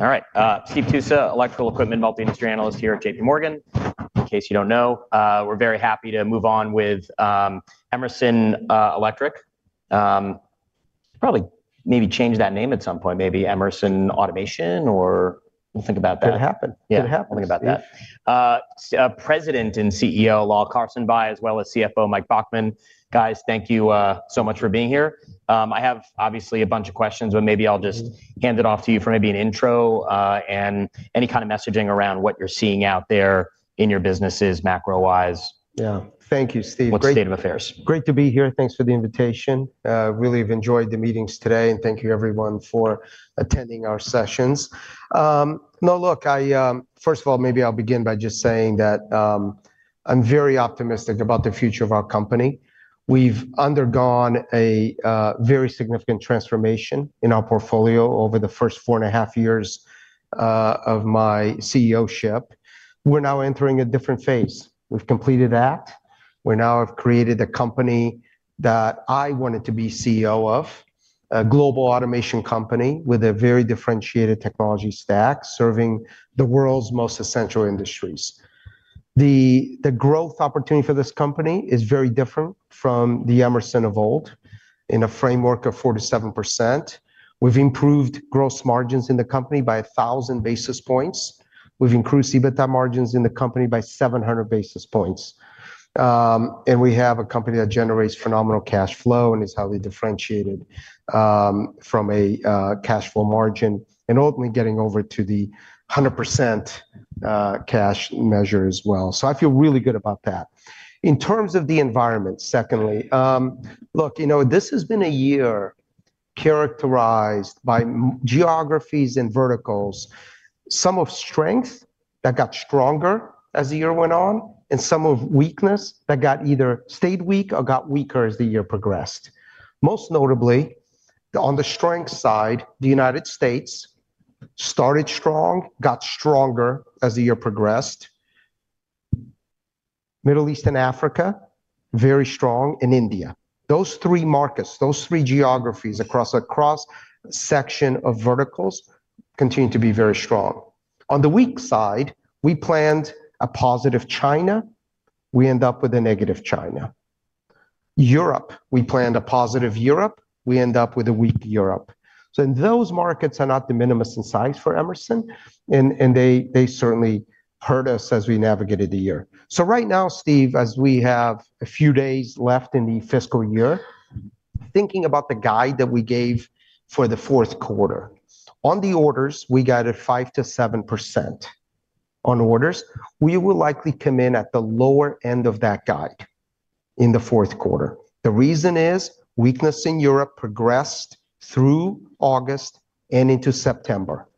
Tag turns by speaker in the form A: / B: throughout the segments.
A: All right. Steve Tousa, Electrical Equipment, Multi-Industry Analyst here at JPMorgan. In case you don't know, we're very happy to move on with Emerson Electric. Probably maybe change that name at some point, maybe Emerson Automation or we'll think about that.
B: Could happen.
A: Yeah, I'll think about that. President and CEO Lal Karsanbhai, as well as CFO Mike Baughman, thank you so much for being here. I have obviously a bunch of questions, but maybe I'll just hand it off to you for an intro and any kind of messaging around what you're seeing out there in your businesses macro-wise.
B: Yeah, thank you, Steve.
A: Great state of affairs.
B: Great to be here. Thanks for the invitation. Really have enjoyed the meetings today, and thank you everyone for attending our sessions. First of all, maybe I'll begin by just saying that I'm very optimistic about the future of our company. We've undergone a very significant transformation in our portfolio over the first four and a half years of my CEO-ship. We're now entering a different phase. We've completed that. We now have created a company that I wanted to be CEO of, a global automation company with a very differentiated technology stack serving the world's most essential industries. The growth opportunity for this company is very different from the Emerson of old in a framework of 47%. We've improved gross margins in the company by 1,000 basis points. We've increased EBITDA margins in the company by 700 basis points. We have a company that generates phenomenal cash flow and is highly differentiated from a cash flow margin and ultimately getting over to the 100% cash measure as well. I feel really good about that. In terms of the environment, this has been a year characterized by geographies and verticals, some of strength that got stronger as the year went on and some of weakness that either stayed weak or got weaker as the year progressed. Most notably, on the strength side, the United States started strong, got stronger as the year progressed. Middle East and Africa, very strong, and India. Those three markets, those three geographies across a cross-section of verticals continue to be very strong. On the weak side, we planned a positive China. We end up with a negative China. Europe, we planned a positive Europe. We end up with a weak Europe. Those markets are not the minimum size for Emerson and they certainly hurt us as we navigated the year. Right now, Steve, as we have a few days left in the fiscal year, thinking about the guide that we gave for the fourth quarter, on the orders, we got it 5 to 7% on orders. We will likely come in at the lower end of that guide in the fourth quarter. The reason is weakness in Europe progressed through August and into September.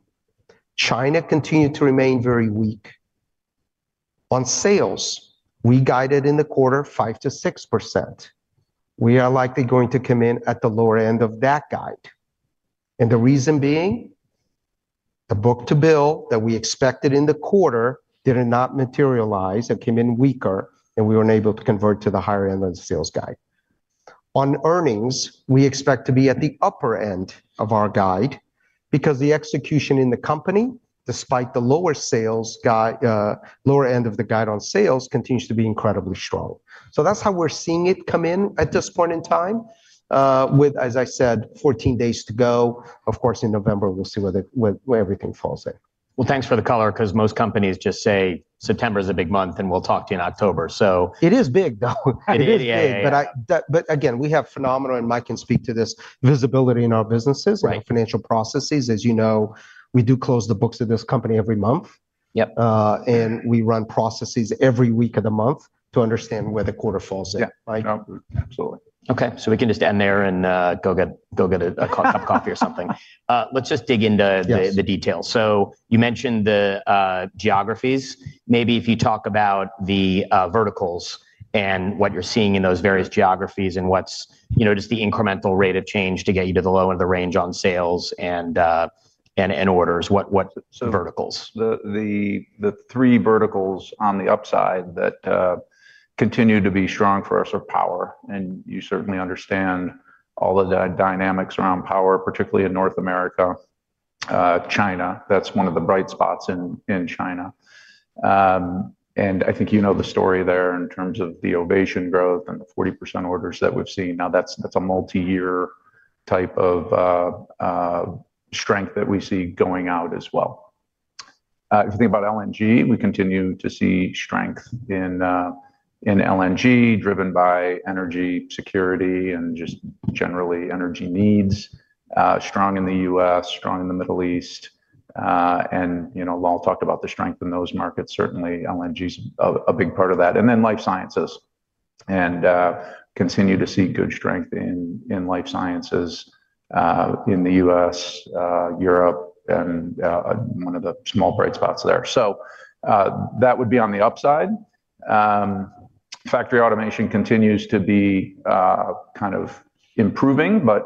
B: China continued to remain very weak. On sales, we guided in the quarter 5% to 6%. We are likely going to come in at the lower end of that guide. The reason being the book to bill that we expected in the quarter did not materialize and came in weaker, and we weren't able to convert to the higher end of the sales guide. On earnings, we expect to be at the upper end of our guide because the execution in the company, despite the lower sales guide, lower end of the guide on sales, continues to be incredibly strong. That's how we're seeing it come in at this point in time with, as I said, 14 days to go. Of course, in November, we'll see where everything falls in.
A: Thanks for the color because most companies just say September is a big month and we'll talk to you in October.
B: It is big, though.
A: It is big.
B: We have phenomenal, and Mike can speak to this, visibility in our businesses and financial processes. As you know, we do close the books of this company every month.
A: Yep.
B: We run processes every week of the month to understand where the quarter falls in.
A: Yeah.
B: Right?
A: Absolutely. Okay. We can just end there and go get a cup of coffee or something. Let's just dig into the details. You mentioned the geographies. Maybe if you talk about the verticals and what you're seeing in those various geographies and what's just the incremental rate of change to get you to the lower range on sales and orders, what verticals?
C: The three verticals on the upside that continue to be strong for us are power. You certainly understand all of the dynamics around power, particularly in North America, China. That's one of the bright spots in China. I think you know the story there in terms of the ovation growth and the 40% orders that we've seen. Now that's a multi-year type of strength that we see going out as well. If you think about LNG, we continue to see strength in LNG driven by energy security and just generally energy needs. Strong in the U.S., strong in the Middle East. We'll all talk about the strength in those markets. Certainly, LNG is a big part of that. Then life sciences. Continue to see good strength in life sciences in the U.S., Europe, and one of the small bright spots there. That would be on the upside. Factory automation continues to be kind of improving, but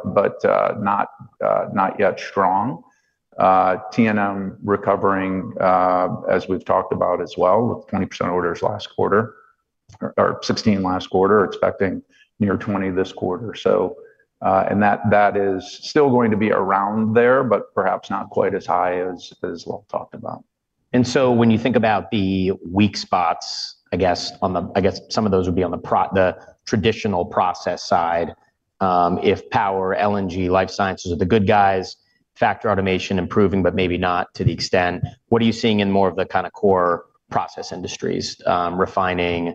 C: not yet strong. TNM recovering, as we've talked about as well, with 20% orders last quarter or 16% last quarter, expecting near 20% this quarter. That is still going to be around there, but perhaps not quite as high as we'll talk about.
A: When you think about the weak spots, I guess some of those would be on the traditional process side. If power, LNG, life sciences are the good guys, factory automation improving, but maybe not to the extent, what are you seeing in more of the kind of core process industries, refining,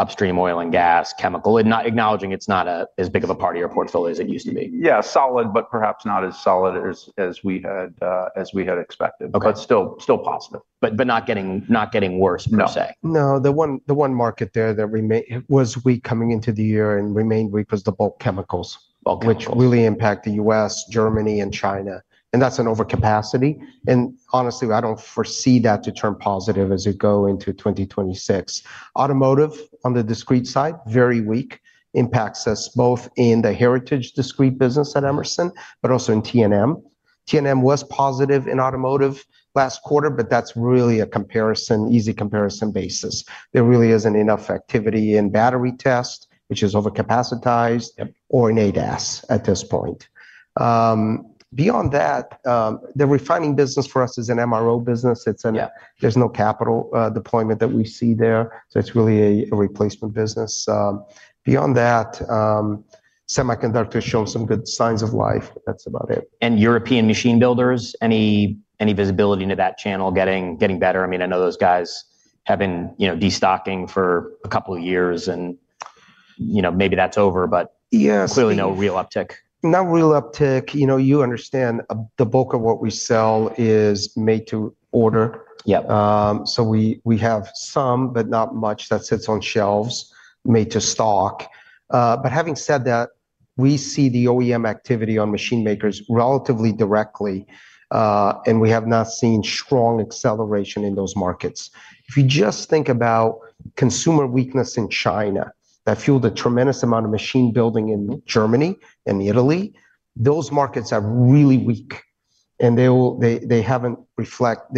A: upstream oil and gas, chemical, and acknowledging it's not as big of a part of your portfolio as it used to be?
C: Yeah, solid, though perhaps not as solid as we had expected, still positive.
A: Not getting worse per se.
B: No, the one market there that remained was weak coming into the year and remained weak was the bulk chemicals, which really impact the U.S., Germany, and China. That's an overcapacity. Honestly, I don't foresee that to turn positive as we go into 2026. Automotive on the discrete side, very weak, impacts us both in the heritage discrete business at Emerson, but also in TNM. TNM was positive in automotive last quarter, but that's really an easy comparison basis. There really isn't enough activity in battery tests, which is overcapacitized, or in ADAS at this point. Beyond that, the refining business for us is an MRO business. There's no capital deployment that we see there. It's really a replacement business. Beyond that, semiconductors show some good signs of life. That's about it.
A: European machine builders, any visibility into that channel getting better? I mean, I know those guys have been destocking for a couple of years and maybe that's over, but clearly no real uptick.
B: No real uptick. You understand the bulk of what we sell is made to order.
A: Yep.
B: We have some, but not much that sits on shelves made to stock. Having said that, we see the OEM activity on machine makers relatively directly, and we have not seen strong acceleration in those markets. If you just think about consumer weakness in China that fueled a tremendous amount of machine building in Germany and Italy, those markets are really weak, and they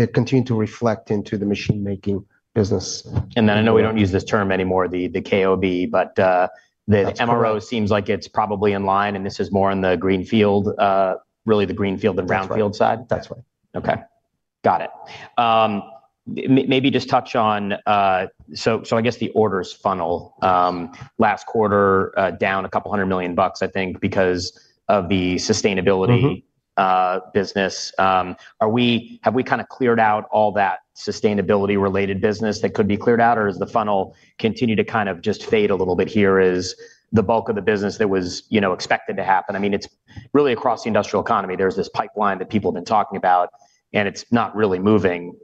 B: continue to reflect into the machine making business.
A: I know we don't use this term anymore, the KOB, but the MRO seems like it's probably in line, and this is more in the green field, really the green field and brown field side.
C: That's right.
A: Okay. Got it. Maybe just touch on, I guess the orders funnel last quarter was down a couple hundred million bucks, I think, because of the sustainability business. Have we kind of cleared out all that sustainability-related business that could be cleared out, or does the funnel continue to kind of just fade a little bit here as the bulk of the business that was expected to happen? I mean, it's really across the industrial economy. There's this pipeline that people have been talking about, and it's not really moving.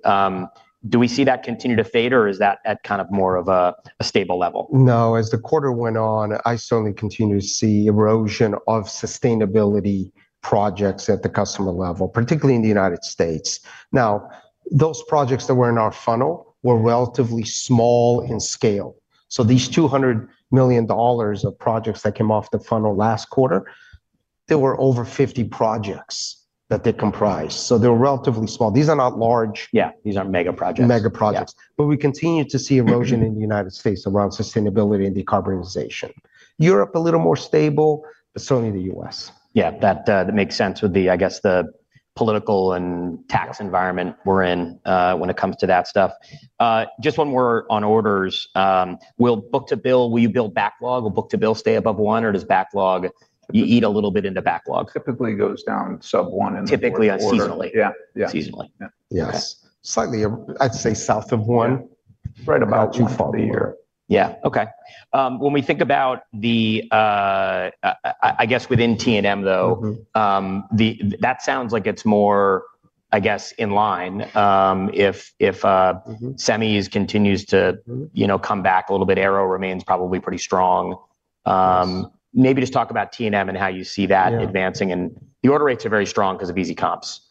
A: Do we see that continue to fade, or is that at kind of more of a stable level?
B: No, as the quarter went on, I certainly continue to see erosion of sustainability projects at the customer level, particularly in the United States. Now, those projects that were in our funnel were relatively small in scale. These $200 million of projects that came off the funnel last quarter, there were over 50 projects that they comprised. They were relatively small. These are not large.
A: Yeah, these aren't mega projects.
B: Mega projects, we continue to see erosion in the United States around sustainability and decarbonization. Europe is a little more stable, but certainly the U.S.
A: Yeah, that makes sense with the, I guess, the political and tax environment we're in when it comes to that stuff. Just when we're on orders, will book to bill, will you build backlog, will book to bill stay above one or does backlog, you eat a little bit into backlog?
C: Typically goes down sub-one and above.
A: Typically, seasonally.
B: Yeah, seasonally.
A: Yeah.
B: Slightly, I'd say south of one, right about two for the fall of the year.
A: Yeah, okay. When we think about the, I guess within TNM though, that sounds like it's more, I guess, in line. If semis continue to come back a little bit, Arrow remains probably pretty strong. Maybe just talk about TNM and how you see that advancing. The order rates are very strong because of easy comps.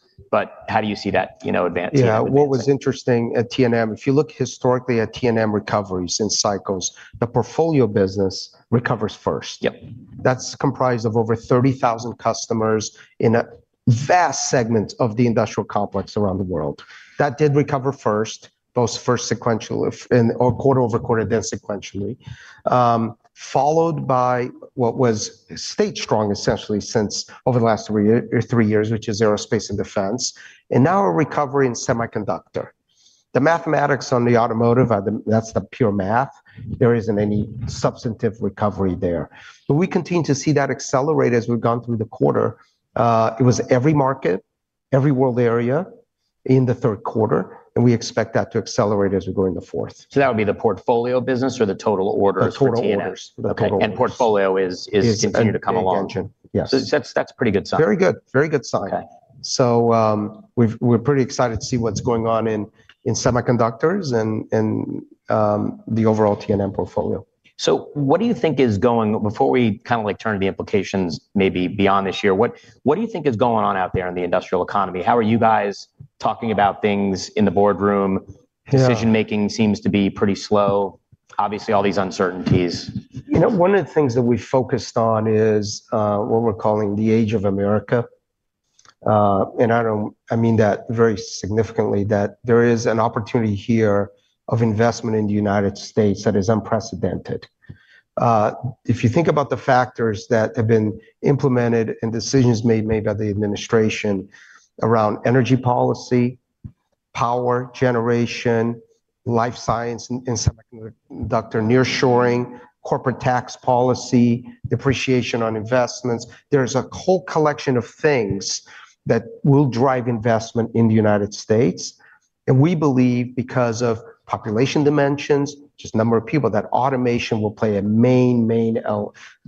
A: How do you see that advancing?
B: Yeah, what was interesting at TNM, if you look historically at TNM recoveries in cycles, the portfolio business recovers first.
A: Yep.
B: That's comprised of over 30,000 customers in vast segments of the industrial complex around the world. That did recover first, both first sequential or quarter-over-quarter, then sequentially, followed by what has stayed strong essentially since over the last three years, which is aerospace and defense. Now a recovery in semiconductor. The mathematics on the automotive, that's the pure math. There isn't any substantive recovery there. We continue to see that accelerate as we've gone through the quarter. It was every market, every world area in the third quarter, and we expect that to accelerate as we go in the fourth.
A: Would that be the portfolio business or the total order?
B: The total orders.
A: The portfolio is continuing to come along.
B: Yeah.
A: That's a pretty good sign.
B: Very good. Very good sign.
A: Okay.
B: We're pretty excited to see what's going on in semiconductors and the overall TNM portfolio.
A: What do you think is going, before we kind of like turn to the implications maybe beyond this year, what do you think is going on out there in the industrial economy? How are you guys talking about things in the boardroom? Decision making seems to be pretty slow. Obviously, all these uncertainties.
B: One of the things that we focused on is what we're calling the age of America. I mean that very significantly, that there is an opportunity here of investment in the United States that is unprecedented. If you think about the factors that have been implemented and decisions made by the administration around energy policy, power, generation, life science, and semiconductor nearshoring, corporate tax policy, depreciation on investments, there's a whole collection of things that will drive investment in the United States. We believe because of population dimensions, just the number of people, that automation will play a main, main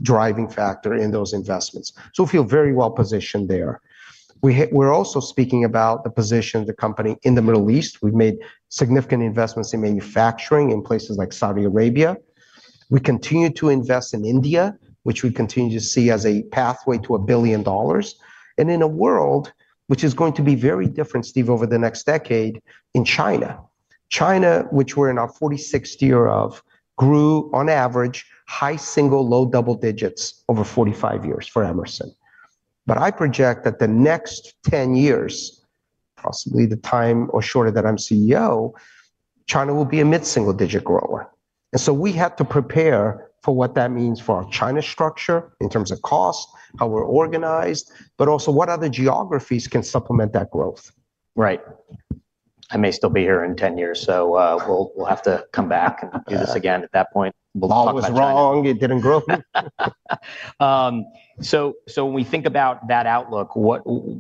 B: driving factor in those investments. We feel very well positioned there. We're also speaking about the position of the company in the Middle East. We've made significant investments in manufacturing in places like Saudi Arabia. We continue to invest in India, which we continue to see as a pathway to $1 billion. In a world which is going to be very different, Steve, over the next decade in China. China, which we're in our 46th year of, grew on average high single, low double digits over 45 years for Emerson. I project that the next 10 years, possibly the time or shorter that I'm CEO, China will be a mid-single digit grower. We have to prepare for what that means for our China structure in terms of cost, how we're organized, but also what other geographies can supplement that growth.
A: Right. I may still be here in 10 years, so we'll have to come back and do this again at that point.
B: All was wrong. It didn't grow.
A: When we think about that outlook,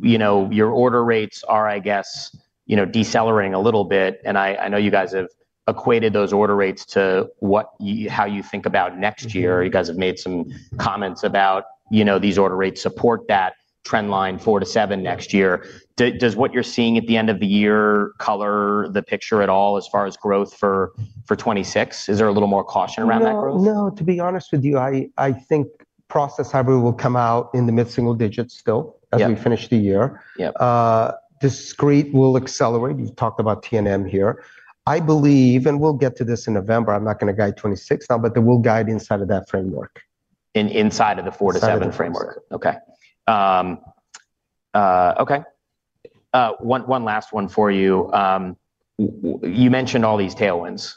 A: your order rates are, I guess, decelerating a little bit. I know you guys have equated those order rates to what you think about next year. You guys have made some comments about these order rates supporting that trend line, 4%-7% next year. Does what you're seeing at the end of the year color the picture at all as far as growth for 2026? Is there a little more caution around that growth?
B: No, to be honest with you, I think process, however, will come out in the mid-single digits still as we finish the year.
A: Yeah.
B: Discrete will accelerate. We've talked about TNM here. I believe, and we'll get to this in November, I'm not going to guide 2026 now, but it will guide inside of that framework.
A: Inside of the four to seven framework.
B: Yeah.
A: Okay. Okay. One last one for you. You mentioned all these tailwinds.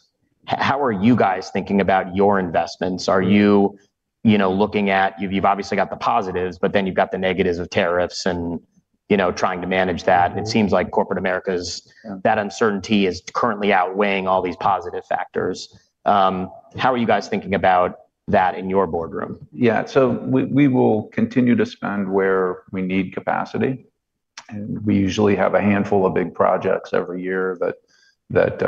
A: How are you guys thinking about your investments? Are you looking at, you've obviously got the positives, but then you've got the negatives of tariffs and trying to manage that. It seems like corporate America's uncertainty is currently outweighing all these positive factors. How are you guys thinking about that in your boardroom?
C: Yeah, we will continue to spend where we need capacity. We usually have a handful of big projects every year that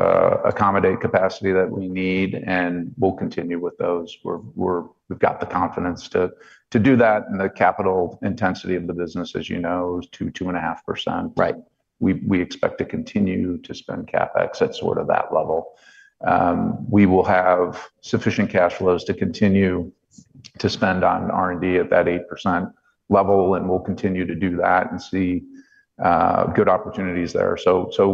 C: accommodate capacity that we need, and we'll continue with those. We've got the confidence to do that, and the capital intensity of the business, as you know, is 2.5%.
A: Right.
C: We expect to continue to spend capital expenditures at sort of that level. We will have sufficient cash flows to continue to spend on R&D at that 8% level, and we'll continue to do that and see good opportunities there.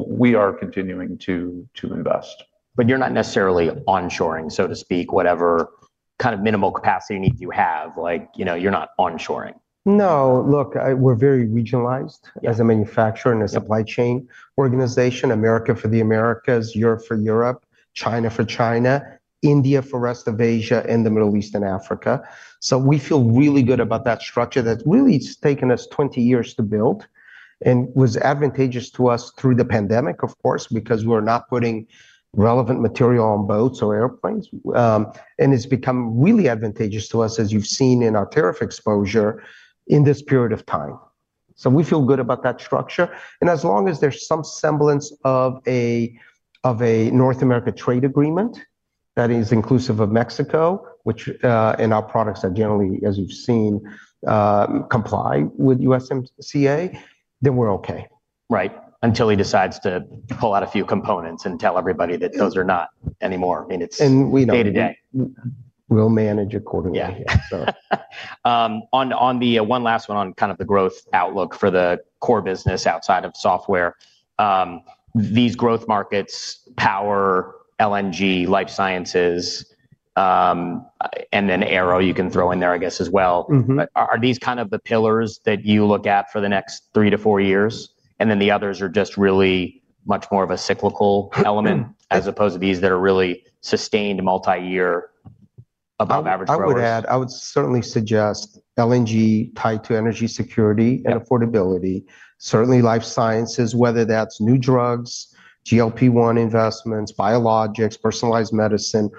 C: We are continuing to invest.
A: You're not necessarily onshoring, so to speak, whatever kind of minimal capacity needs you have. You know you're not onshoring.
B: No, look, we're very regionalized as a manufacturer and a supply chain organization. America for the Americas, Europe for Europe, China for China, India for the rest of Asia, and the Middle East and Africa. We feel really good about that structure that really has taken us 20 years to build and was advantageous to us through the pandemic, of course, because we were not putting relevant material on boats or airplanes. It has become really advantageous to us, as you've seen in our tariff exposure in this period of time. We feel good about that structure. As long as there's some semblance of a North America trade agreement that is inclusive of Mexico, which in our products are generally, as you've seen, comply with USMCA, then we're okay.
A: Right. Until he decides to pull out a few components and tell everybody that those are not anymore, I mean, it's day to day.
B: We'll manage accordingly.
A: On the one last one on kind of the growth outlook for the core business outside of software, these growth markets, power, LNG, life sciences, and then aero you can throw in there, I guess, as well. Are these kind of the pillars that you look at for the next three to four years? The others are just really much more of a cyclical element as opposed to these that are really sustained multi-year above average growth.
B: I would add, I would certainly suggest LNG tied to energy security and affordability. Certainly life sciences, whether that's new drugs, GLP-1 investments, biologics, personalized medicine,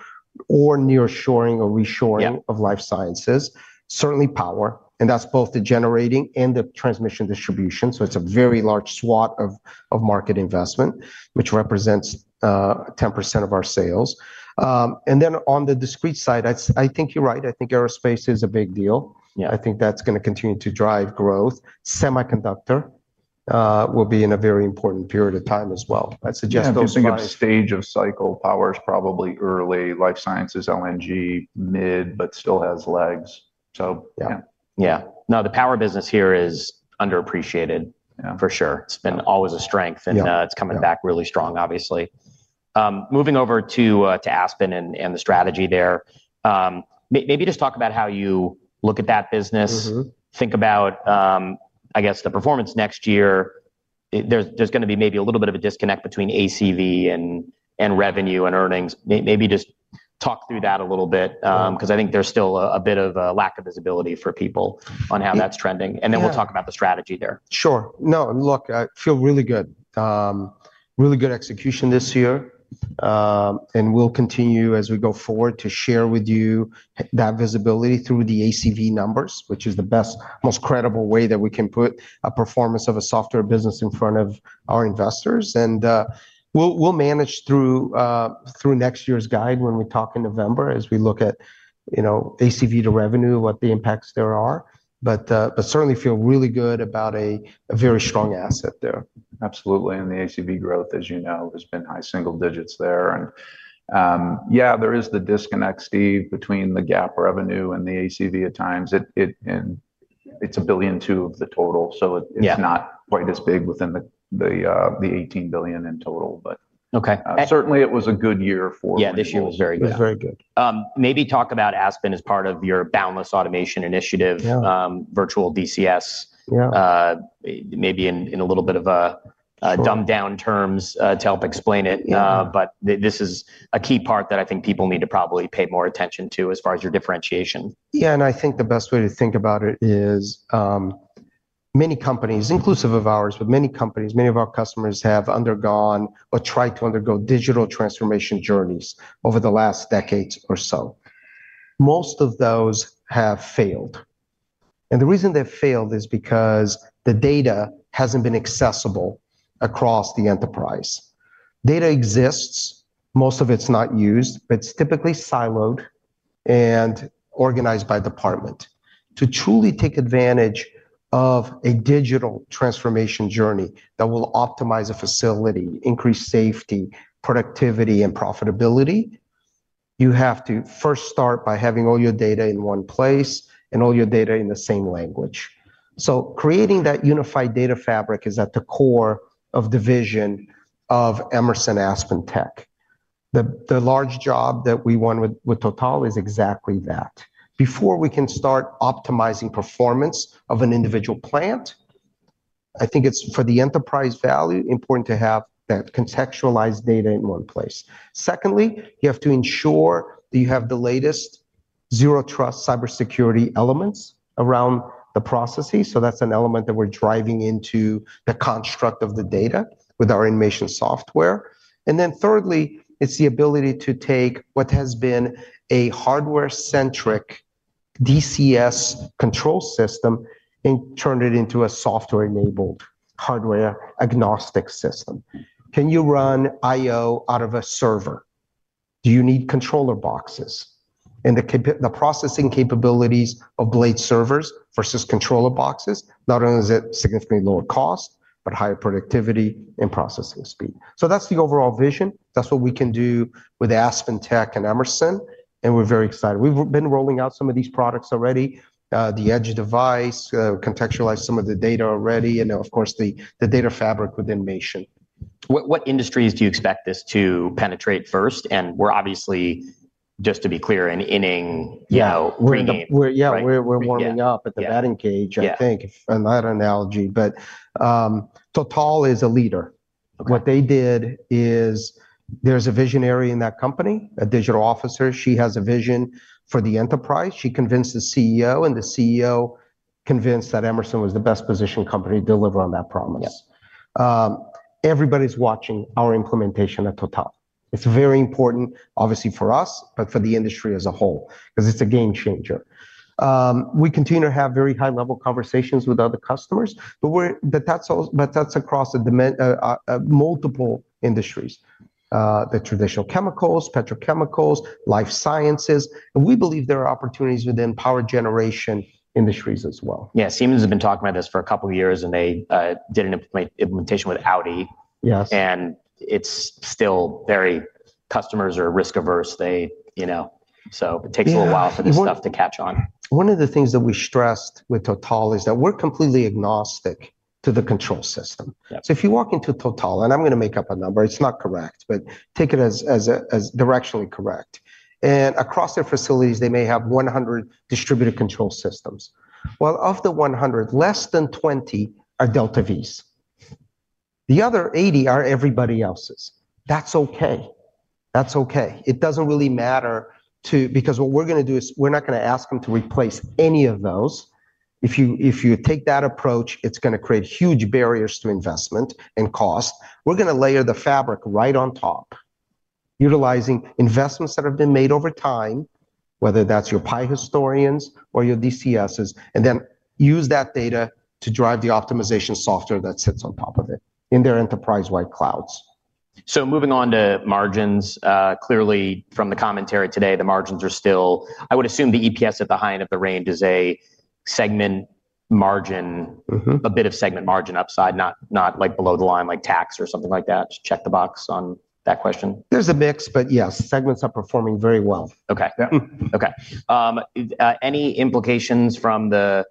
B: or nearshoring or reshoring of life sciences. Certainly power, and that's both the generating and the transmission distribution. It is a very large swath of market investment, which represents 10% of our sales. On the discrete side, I think you're right. I think aerospace is a big deal.
A: Yeah.
B: I think that's going to continue to drive growth. Semiconductor will be in a very important period of time as well. I suggest those guys.
C: You've got a stage of cycle power is probably early, life sciences, LNG, mid, but still has legs.
A: Yeah. Now the power business here is underappreciated for sure. It's been always a strength and it's coming back really strong, obviously. Moving over to Aspen and the strategy there, maybe just talk about how you look at that business. Think about, I guess, the performance next year. There's going to be maybe a little bit of a disconnect between ACV and revenue and earnings. Maybe just talk through that a little bit because I think there's still a bit of a lack of visibility for people on how that's trending. We'll talk about the strategy there.
B: Sure. No, look, I feel really good. Really good execution this year, and we'll continue as we go forward to share with you that visibility through the ACV numbers, which is the best, most credible way that we can put a performance of a software business in front of our investors. We'll manage through next year's guide when we talk in November as we look at ACV to revenue, what the impacts there are. Certainly feel really good about a very strong asset there.
C: Absolutely. The ACV growth, as you know, has been high single digits there. There is the disconnect, Steve, between the GAAP revenue and the ACV at times. It's $1.2 billion of the total. It's not quite as big within the $18 billion in total, but certainly it was a good year for us.
B: Yeah, this year was very good.
A: Maybe talk about Aspen as part of your boundless automation initiative, virtual DCS.
B: Yeah.
A: Maybe in a little bit of dumbed-down terms to help explain it, this is a key part that I think people need to probably pay more attention to as far as your differentiation.
B: Yeah, and I think the best way to think about it is many companies, inclusive of ours, but many companies, many of our customers have undergone or tried to undergo digital transformation journeys over the last decade or so. Most of those have failed. The reason they've failed is because the data hasn't been accessible across the enterprise. Data exists, most of it's not used, but it's typically siloed and organized by department. To truly take advantage of a digital transformation journey that will optimize a facility, increase safety, productivity, and profitability, you have to first start by having all your data in one place and all your data in the same language. Creating that unified data fabric is at the core of the vision of Emerson AspenTech. The large job that we won with Total is exactly that. Before we can start optimizing performance of an individual plant, I think it's for the enterprise value important to have that contextualized data in one place. Secondly, you have to ensure that you have the latest zero trust cybersecurity elements around the processes. That's an element that we're driving into the construct of the data with our innovation software. Thirdly, it's the ability to take what has been a hardware-centric DCS control system and turn it into a software-enabled hardware-agnostic system. Can you run I/O out of a server? Do you need controller boxes? The processing capabilities of blade servers versus controller boxes, not only is it significantly lower cost, but higher productivity and processing speed. That's the overall vision. That's what we can do with AspenTech and Emerson. We're very excited. We've been rolling out some of these products already, the edge device, contextualized some of the data already, and of course the data fabric within Mation.
A: What industries do you expect this to penetrate first? We're obviously, just to be clear, in inning ring game.
B: Yeah, we're warming up at the batting cage, I think, in that analogy. Total is a leader. What they did is there's a visionary in that company, a digital officer. She has a vision for the enterprise. She convinced the CEO, and the CEO convinced that Emerson was the best positioned company to deliver on that promise. Everybody's watching our implementation at Total. It's very important, obviously for us, but for the industry as a whole, because it's a game changer. We continue to have very high-level conversations with other customers across multiple industries, the traditional chemicals, petrochemicals, life sciences. We believe there are opportunities within power generation industries as well.
A: Yeah, Siemens has been talking about this for a couple of years, and they did an implementation with Audi.
B: Yes.
A: It is still very, customers are risk-averse. They, you know, it takes a little while for this stuff to catch on.
B: One of the things that we stressed with Total is that we're completely agnostic to the control system. If you walk into Total, and I'm going to make up a number, it's not correct, but take it as directionally correct. Across their facilities, they may have 100 distributed control systems. Of the 100, less than 20 are DeltaV's. The other 80 are everybody else's. That's okay. It doesn't really matter, because what we're going to do is we're not going to ask them to replace any of those. If you take that approach, it's going to create huge barriers to investment and cost. We're going to layer the fabric right on top, utilizing investments that have been made over time, whether that's your PI historians or your DCSs, and then use that data to drive the optimization software that sits on top of it in their enterprise-wide clouds.
A: Moving on to margins, clearly from the commentary today, the margins are still, I would assume the EPS at the high end of the range is a segment margin, a bit of segment margin upside, not like below the line, like tax or something like that. Just check the box on that question.
B: There's a mix, but yes, segments are performing very well.
A: Okay.
B: Yeah.
A: Okay. Any implications from the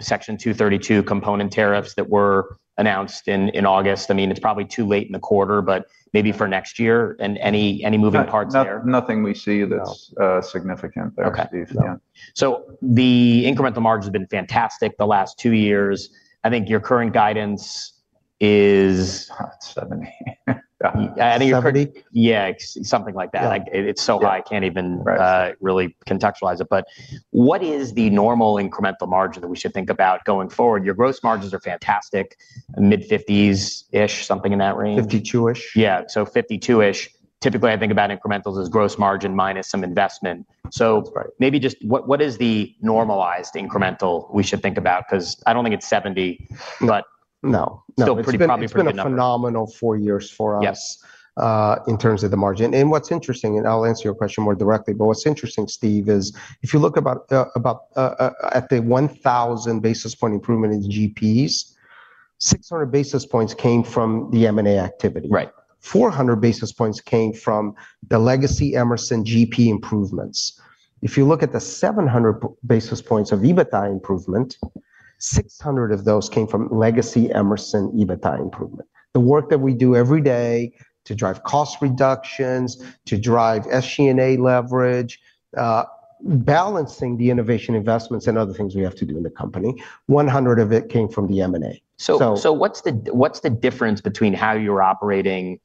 A: Section 232 component tariffs that were announced in August? I mean, it's probably too late in the quarter, but maybe for next year and any moving parts there?
C: Nothing we see that's significant there.
A: Okay. The incremental margin has been fantastic the last two years. I think your current guidance is 70%.
B: 70?
A: Yeah, something like that. It's so high, I can't even really contextualize it. What is the normal incremental margin that we should think about going forward? Your gross margins are fantastic, mid-50% ish, something in that range.
B: 52-ish?
A: I think about incrementals as gross margin minus some investment. Maybe just what is the normalized incremental we should think about? I don't think it's 70%, but.
B: No, no.
A: Still pretty promising number.
B: It's been a phenomenal four years for us in terms of the margin. What's interesting, and I'll answer your question more directly, what's interesting, Steve, is if you look at the 1,000 basis point improvement in GPs, 600 basis points came from the M&A activity.
A: Right.
B: 400 basis points came from the legacy Emerson GP improvements. If you look at the 700 basis points of EBITDA improvement, 600 of those came from legacy Emerson EBITDA improvement. The work that we do every day to drive cost reductions, to drive SG&A leverage, balancing the innovation investments and other things we have to do in the company, 100 of it came from the M&A.
A: What's the difference between how you were operating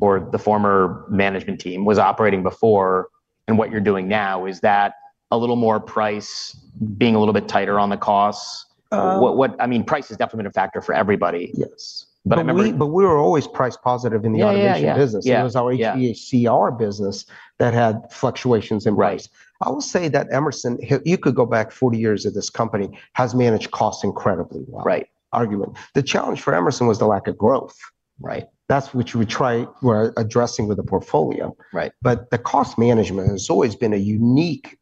A: or the former management team was operating before and what you're doing now? Is that a little more price, being a little bit tighter on the costs? I mean, price has definitely been a factor for everybody.
B: Yes.
A: I remember.
B: We were always price positive in the automation business. It was our HVACR business that had fluctuations in price. I will say that Emerson, you could go back 40 years at this company, has managed costs incredibly well.
A: Right.
B: Argument. The challenge for Emerson Electric was the lack of growth.
A: Right.
B: That's what you would try addressing with a portfolio.
A: Right.
B: The cost management has always been a unique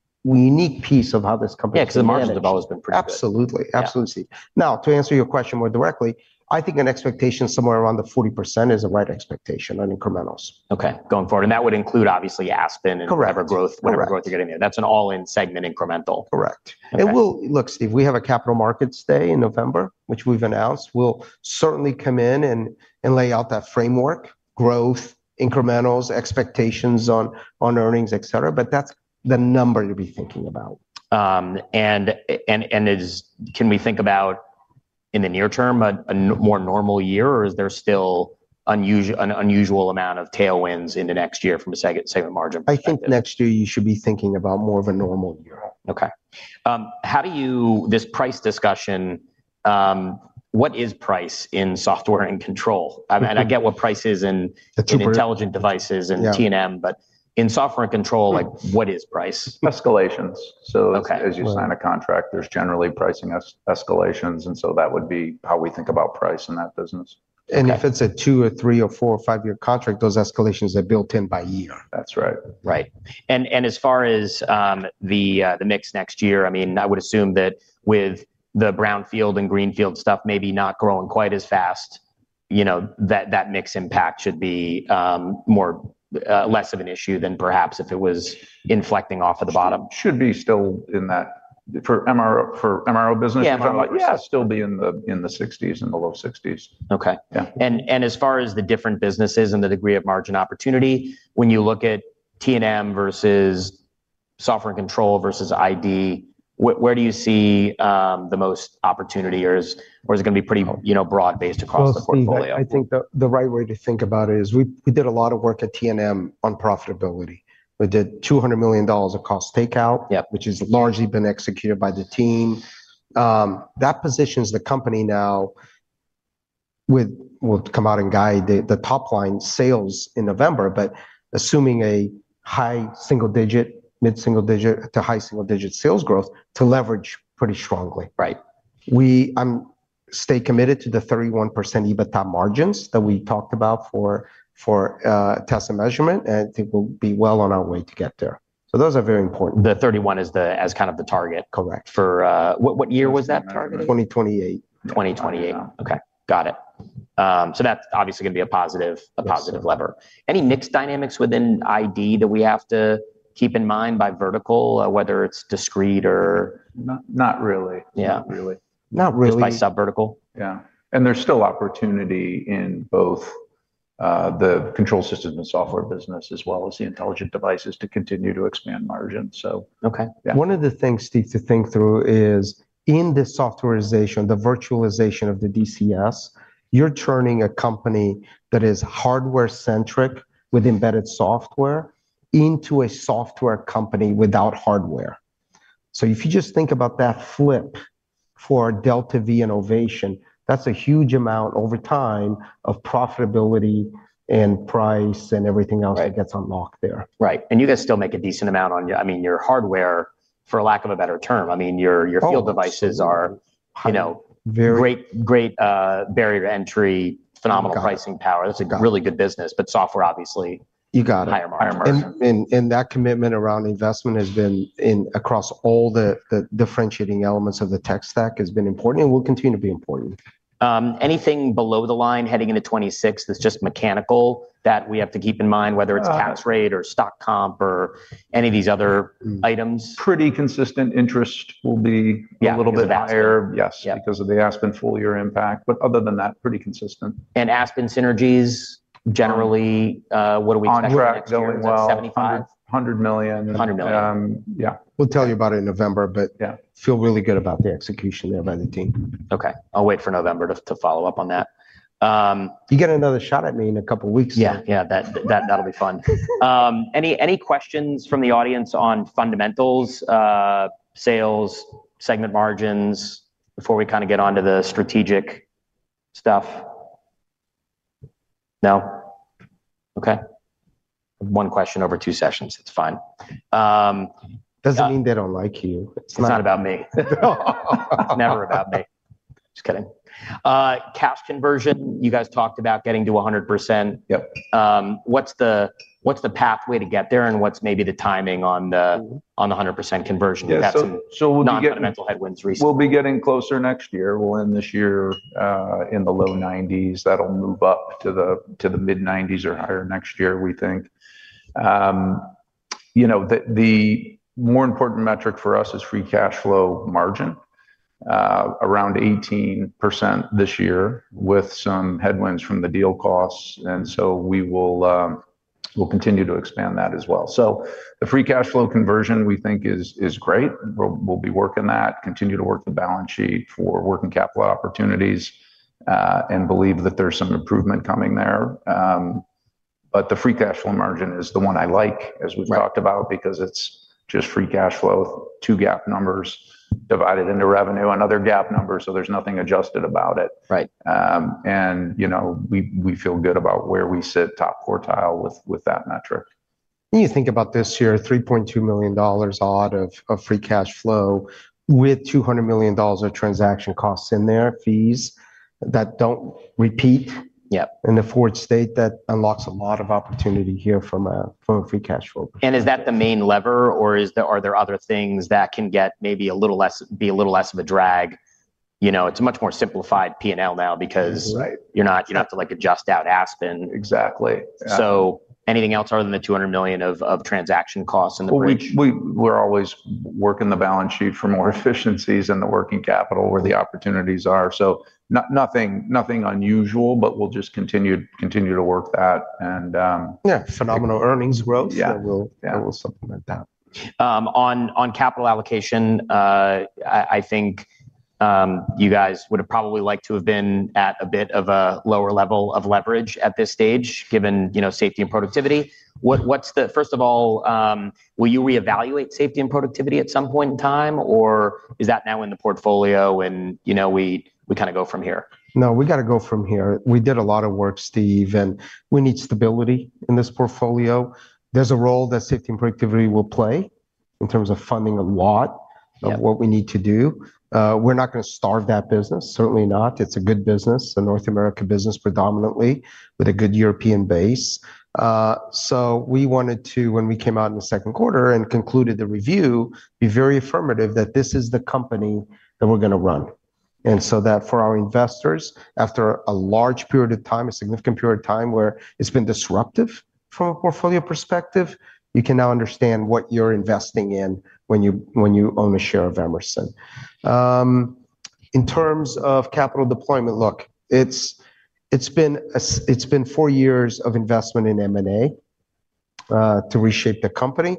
B: piece of how this company has grown.
A: Yeah, because the margins have always been pretty high.
B: Absolutely, absolutely. Now, to answer your question more directly, I think an expectation somewhere around the 40% is a right expectation on incrementals.
A: Okay, going forward, that would include obviously Aspen and whatever growth you're getting there. That's an all-in segment incremental.
B: Correct. Look, Steve, we have a capital markets day in November, which we've announced. We'll certainly come in and lay out that framework, growth, incrementals, expectations on earnings, etc. That's the number you'll be thinking about.
A: Can we think about in the near term a more normal year, or is there still an unusual amount of tailwinds into next year from a segment margin perspective?
B: I think next year you should be thinking about more of a normal year.
A: Okay. How do you, this price discussion, what is price in software and control? I mean, I get what price is in intelligent devices and TNM, but in software and control, like what is price?
C: Escalations.
A: Okay.
C: As you sign a contract, there's generally pricing escalations. That would be how we think about price in that business.
B: If it's a two, three, four, or five-year contract, those escalations are built in by year.
C: That's right.
A: Right. As far as the mix next year, I would assume that with the brownfield and greenfield stuff maybe not growing quite as fast, that mix impact should be less of an issue than perhaps if it was inflecting off of the bottom.
C: Should be still in that for MRO business.
A: Yeah.
C: Yeah, it'll still be in the 60s, in the low 60s.
A: Okay.
B: Yeah.
A: As far as the different businesses and the degree of margin opportunity, when you look at TNM versus software and control versus ID, where do you see the most opportunity? Is it going to be pretty broad based across the portfolio?
B: I think the right way to think about it is we did a lot of work at TNM on profitability. We did $200 million of cost takeout, which has largely been executed by the team. That positions the company now with, we'll come out and guide the top line sales in November, but assuming a mid-single digit to high single digit sales growth to leverage pretty strongly.
A: Right.
B: We stay committed to the 31% EBITDA margins that we talked about for test and measurement, and I think we'll be well on our way to get there. Those are very important.
A: The 31 is kind of the target.
B: Correct.
A: For what year was that targeted?
B: 2028.
A: 2028. Okay. Got it. That's obviously going to be a positive lever. Any mixed dynamics within ID that we have to keep in mind by vertical, whether it's discrete or.
C: Not really.
A: Yeah.
B: Not really.
A: Not really.
B: Just by sub-vertical.
C: Yeah. There is still opportunity in both the control systems and software business, as well as the intelligent devices, to continue to expand margins.
A: Okay.
B: One of the things to think through is in the softwarization, the virtualization of the DCS, you're turning a company that is hardware-centric with embedded software into a software company without hardware. If you just think about that flip for DeltaV innovation, that's a huge amount over time of profitability and price and everything else that gets unlocked there.
A: Right. You guys still make a decent amount on, I mean, your hardware, for lack of a better term. Your field devices are, you know, great barrier to entry, phenomenal pricing power. That's a really good business. Software, obviously.
B: You got it.
A: Higher margin.
B: That commitment around investment has been across all the differentiating elements of the tech stack, has been important and will continue to be important.
A: Anything below the line heading into 2026 that's just mechanical that we have to keep in mind, whether it's tax rate or stock comp or any of these other items?
C: Pretty consistent. Interest will be a little bit higher.
A: Yes.
C: Because of the Aspen full-year impact, other than that, pretty consistent.
A: Aspen synergies, generally, what do we keep track of?
C: Hundred million.
A: Yeah.
B: I feel really good about the execution there by the team. We'll tell you about it in November.
A: Okay. I'll wait for November to follow up on that.
B: You get another shot at me in a couple of weeks.
A: Yeah, yeah, that'll be fun. Any questions from the audience on fundamentals, sales, segment margins before we kind of get onto the strategic stuff? No? Okay. One question over two sessions. It's fine.
B: Doesn't mean they don't like you.
A: It's not about me. Never about me. Just kidding. Cash conversion, you guys talked about getting to 100%.
B: Yep.
A: What's the pathway to get there, and what's maybe the timing on the 100% conversion?
B: Yeah, so.
A: Non-fundamental headwinds recently.
C: We'll be getting closer next year. We'll end this year in the low 90s. That'll move up to the mid 90s or higher next year, we think. The more important metric for us is free cash flow margin, around 18% this year with some headwinds from the deal costs. We will continue to expand that as well. The free cash flow conversion, we think, is great. We'll be working that, continue to work the balance sheet for working capital opportunities and believe that there's some improvement coming there. The free cash flow margin is the one I like, as we've talked about, because it's just free cash flow, two GAAP numbers divided into revenue, another GAAP number, so there's nothing adjusted about it.
A: Right.
C: We feel good about where we sit, top quartile with that metric.
B: When you think about this year, $3.2 million of free cash flow with $200 million of transaction costs in there, fees that don't repeat.
A: Yeah.
B: In the forward state, that unlocks a lot of opportunity here from a free cash flow.
A: Is that the main lever, or are there other things that can be a little less of a drag? It's a much more simplified P&L now because you're not to adjust out Aspen.
B: Exactly.
A: Anything else other than the $200 million of transaction costs in the?
C: We're always working the balance sheet for more efficiencies and the working capital where the opportunities are. Nothing unusual, we'll just continue to work that, and yeah, phenomenal earnings growth that will supplement that.
A: On capital allocation, I think you guys would have probably liked to have been at a bit of a lower level of leverage at this stage, given safety and productivity. What's the, first of all, will you reevaluate safety and productivity at some point in time, or is that now in the portfolio and you know, we kind of go from here?
B: No, we got to go from here. We did a lot of work, Steve, and we need stability in this portfolio. There's a role that safety and productivity will play in terms of funding a lot of what we need to do. We're not going to starve that business, certainly not. It's a good business, a North America business predominantly, with a good European base. We wanted to, when we came out in the second quarter and concluded the review, be very affirmative that this is the company that we're going to run. For our investors, after a large period of time, a significant period of time where it's been disruptive from a portfolio perspective, you can now understand what you're investing in when you own a share of Emerson. In terms of capital deployment, look, it's been four years of investment in M&A to reshape the company.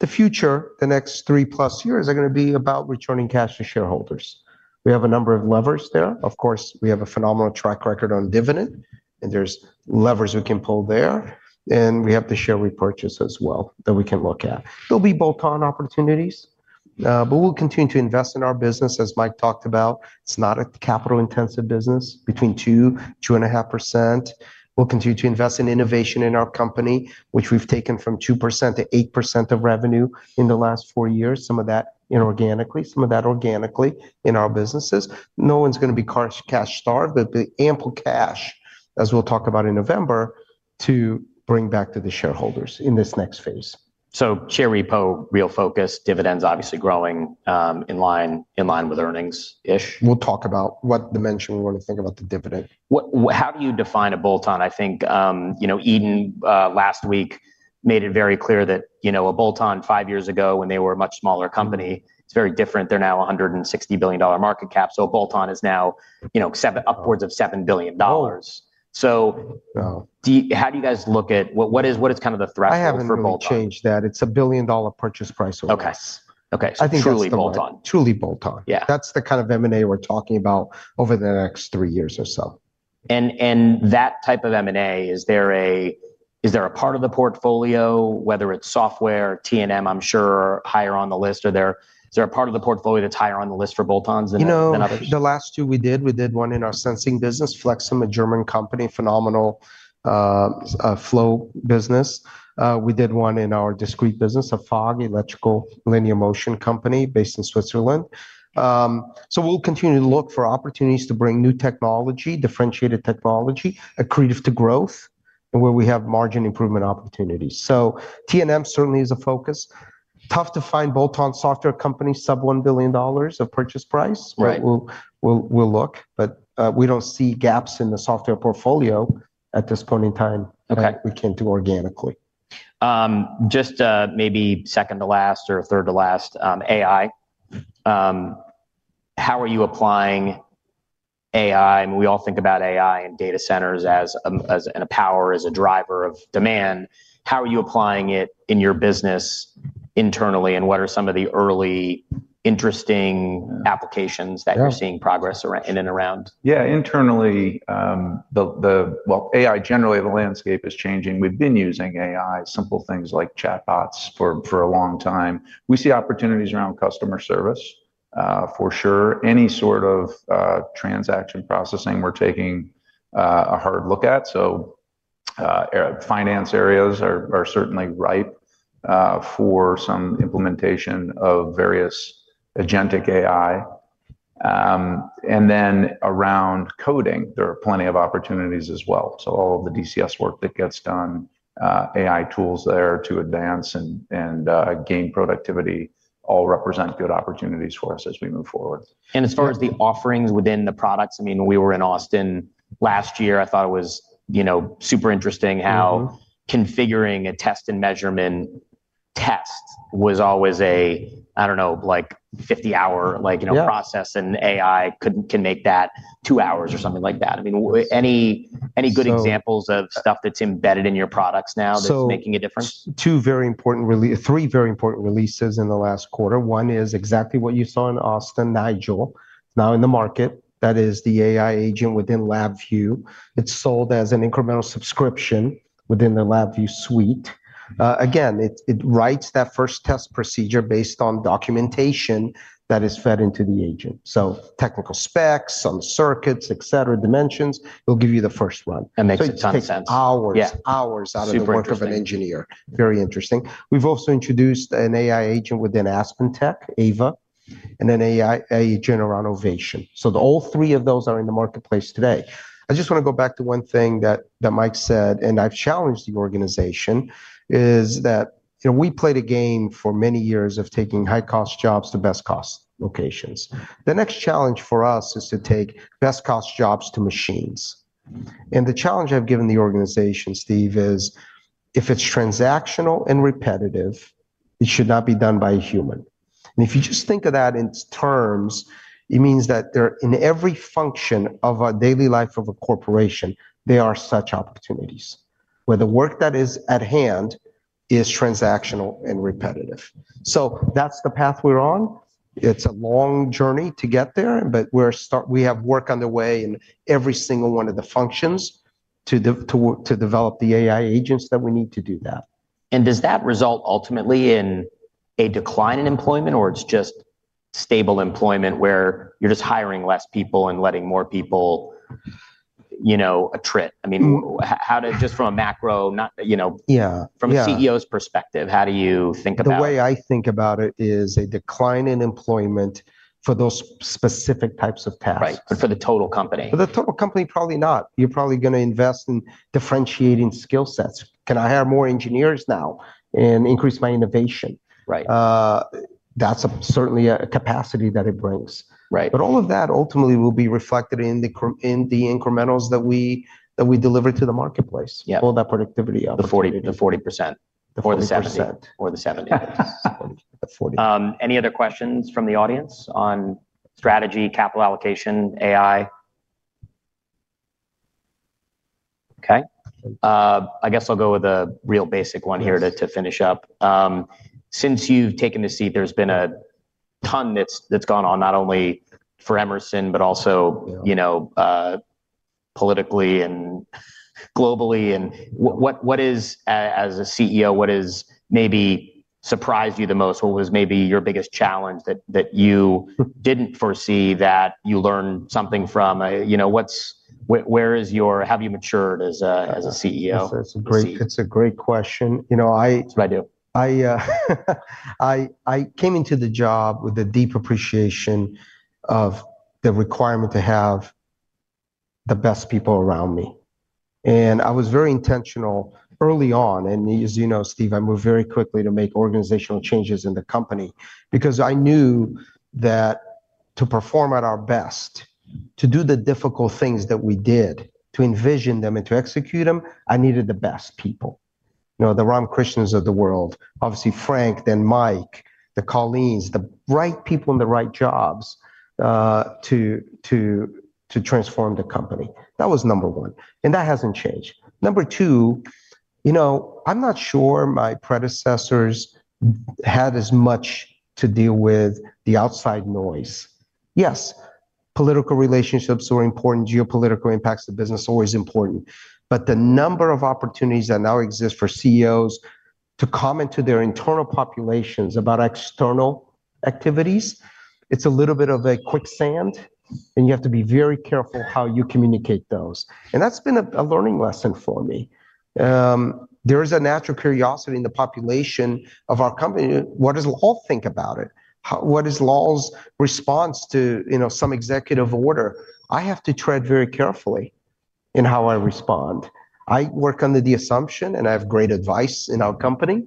B: The future, the next 3+ years are going to be about returning cash to shareholders. We have a number of levers there. Of course, we have a phenomenal track record on dividend, and there's levers we can pull there. We have share repurchase as well that we can look at. There'll be bolt-on opportunities, but we'll continue to invest in our business. As Mike talked about, it's not a capital-intensive business between 2%, 2.5%. We'll continue to invest in innovation in our company, which we've taken from 2% to 8% of revenue in the last four years. Some of that inorganically, some of that organically in our businesses. No one's going to be cash starved, but the ample cash, as we'll talk about in November, to bring back to the shareholders in this next phase.
A: Share repo, real focus, dividends obviously growing in line with earnings-ish.
C: Talk about what dimension we want to think about the dividend.
A: How do you define a bolt-on? I think, you know, Eden last week made it very clear that, you know, a bolt-on five years ago when they were a much smaller company, it's very different. They're now $160 billion market cap. A bolt-on is now, you know, upwards of $7 billion. How do you guys look at what is kind of the threat for?
B: I haven't changed that. It's a $1 billion purchase price already.
A: Okay. Okay.
B: I think it's truly bolt-on. Truly bolt-on. Yeah, that's the kind of M&A we're talking about over the next three years or so.
A: Is there a part of the portfolio, whether it's software, test and measurement, I'm sure, higher on the list? Is there a part of the portfolio that's higher on the list for bolt-ons than others?
B: The last two we did, we did one in our sensing business, Flexim, a German company, phenomenal flow business. We did one in our discrete business, a FOG, electrical linear motion company based in Switzerland. We'll continue to look for opportunities to bring new technology, differentiated technology, accretive to growth, and where we have margin improvement opportunities. TNM certainly is a focus. Tough to find bolt-on software companies, sub $1 billion of purchase price.
A: Right.
B: We look, but we don't see gaps in the software portfolio at this point in time that we can do organically.
A: Just maybe second to last or third to last, AI. How are you applying AI? I mean, we all think about AI and data centers as a power, as a driver of demand. How are you applying it in your business internally? What are some of the early interesting applications that you're seeing progress in and around?
C: Yeah, internally, the AI generally, the landscape is changing. We've been using AI, simple things like chatbots for a long time. We see opportunities around customer service, for sure. Any sort of transaction processing we're taking a hard look at. Finance areas are certainly ripe for some implementation of various agentic AI. Then around coding, there are plenty of opportunities as well. All of the DCS work that gets done, AI tools there to advance and gain productivity all represent good opportunities for us as we move forward.
A: As far as the offerings within the products, when we were in Austin last year, I thought it was super interesting how configuring a test and measurement test was always a, I don't know, like 50-hour process, and AI can make that two hours or something like that. Any good examples of stuff that's embedded in your products now that's making a difference?
B: Three very important releases in the last quarter. One is exactly what you saw in Austin, Nigel, now in the market. That is the AI agent within LabVIEW. It's sold as an incremental subscription within the LabVIEW suite. It writes that first test procedure based on documentation that is fed into the agent. Technical specs, some circuits, dimensions, it'll give you the first one.
A: That makes a ton of sense.
B: It takes hours, hours out of the work of an engineer. Very interesting. We've also introduced an AI agent within AspenTech, AVA, and an AI agent around Ovation. All three of those are in the marketplace today. I just want to go back to one thing that Mike said, and I've challenged the organization, is that we played a game for many years of taking high-cost jobs to best-cost locations. The next challenge for us is to take best-cost jobs to machines. The challenge I've given the organization, Steve, is if it's transactional and repetitive, it should not be done by a human. If you just think of that in terms, it means that in every function of a daily life of a corporation, there are such opportunities where the work that is at hand is transactional and repetitive. That's the path we're on. It's a long journey to get there, but we have work underway in every single one of the functions to develop the AI agents that we need to do that.
A: Does that result ultimately in a decline in employment, or it's just stable employment where you're just hiring less people and letting more people, you know, attrit? I mean, from a macro, not, you know, from a CEO's perspective, how do you think about it?
B: The way I think about it is a decline in employment for those specific types of tasks.
A: Right, but for the total company.
B: For the total company, probably not. You're probably going to invest in differentiating skill sets. Can I hire more engineers now and increase my innovation?
A: Right.
B: That's certainly a capacity that it brings.
A: Right.
B: All of that ultimately will be reflected in the incrementals that we deliver to the marketplace.
A: Yeah.
B: Pull that productivity up.
A: The 40%.
B: The 40%.
A: The 70%.
B: The 40%.
A: Any other questions from the audience on strategy, capital allocation, AI? Okay. I guess I'll go with a real basic one here to finish up. Since you've taken the seat, there's been a ton that's gone on, not only for Emerson, but also, you know, politically and globally. What is, as a CEO, what has maybe surprised you the most? What was maybe your biggest challenge that you didn't foresee that you learned something from? Where is your, how have you matured as a CEO?
B: That's a great question. You know.
A: That's what I do.
B: I came into the job with a deep appreciation of the requirement to have the best people around me. I was very intentional early on. As you know, Steve, I moved very quickly to make organizational changes in the company because I knew that to perform at our best, to do the difficult things that we did, to envision them and to execute them, I needed the best people. You know, the Frank, then Mike, the Colleens, the right people in the right jobs to transform the company. That was number one. That hasn't changed. Number two, I'm not sure my predecessors had as much to deal with the outside noise. Yes, political relationships were important. Geopolitical impacts to the business are always important. The number of opportunities that now exist for CEOs to comment to their internal populations about external activities, it's a little bit of a quicksand. You have to be very careful how you communicate those. That's been a learning lesson for me. There is a natural curiosity in the population of our company. What does Lal think about it? What is Lal's response to some executive order? I have to tread very carefully in how I respond. I work under the assumption, and I have great advice in our company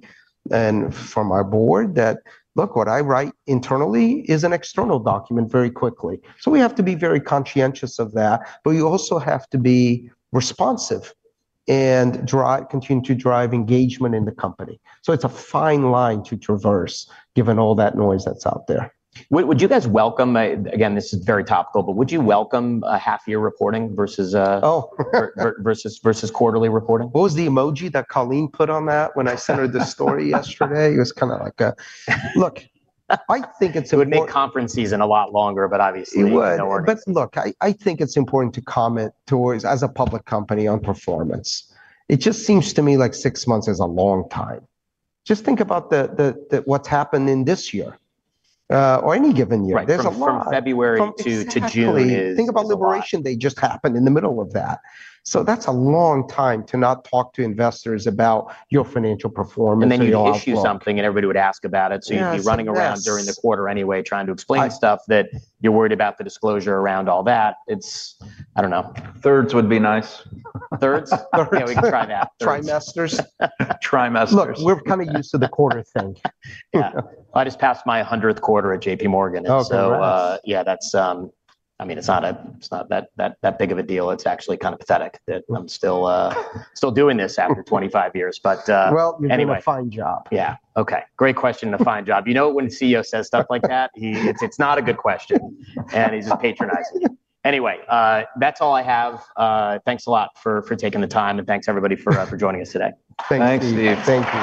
B: and from our board that, look, what I write internally is an external document very quickly. We have to be very conscientious of that. We also have to be responsive and continue to drive engagement in the company. It's a fine line to traverse given all that noise that's out there.
A: Would you guys, again, this is very topical, but would you welcome a half-year reporting versus quarterly reporting?
B: What was the emoji that Colleen put on that when I sent her the story yesterday? It was kind of like a look.
A: I think it would make conference season a lot longer, but obviously we have no order.
B: I think it's important to comment towards, as a public company, on performance. It just seems to me like six months is a long time. Just think about what's happened in this year or any given year.
A: Right, from February to June.
B: Think about Liberation Day just happened in the middle of that. That's a long time to not talk to investors about your financial performance.
A: You would all issue something and everybody would ask about it. You would be running around during the quarter anyway trying to explain stuff that you're worried about, the disclosure around all that. It's, I don't know.
C: Thirds would be nice.
A: Thirds? Yeah, we can try that.
B: Trimesters.
A: Trimesters.
B: We're kind of used to the quarter thing.
A: I just passed my 100th quarter at JPMorgan.
B: Oh, congrats.
A: Yeah, it's not that big of a deal. It's actually kind of pathetic that I'm still doing this after 25 years.
B: You do a fine job.
A: Yeah, okay. Great question, a fine job. You know when a CEO says stuff like that, it's not a good question. He's just patronizing. Anyway, that's all I have. Thanks a lot for taking the time and thanks everybody for joining us today.
B: Thank you, Steve. Thanks.